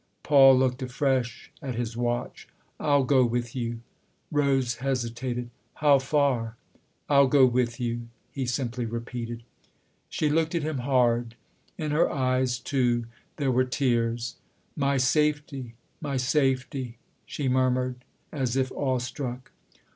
Paul looked afresh at his watch. " I'll go with you." Rose hesitated. " How far ?"" I'll go with you," he simply repeated. She looked at him hard ; in her eyes too there were tears. " My safety my safety !" she mur mured as if awestruck.